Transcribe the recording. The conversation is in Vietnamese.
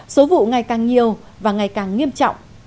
số vụ ngày càng nhiều và ngày càng nghiêm trọng